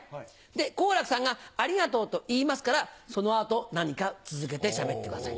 で好楽さんが「ありがとう」と言いますからその後何か続けてしゃべってください。